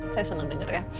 saya senang dengar ya